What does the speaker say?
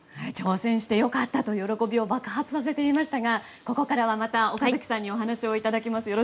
挑戦してよかったと喜びを爆発させていましたがここからは、また岡崎さんにお話をいただきます。